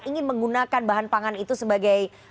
ingin menggunakan bahan pangan itu sebagai